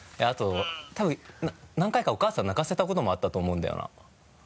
あとたぶん何回かお母さん泣かせたこともあったと思うんだよな。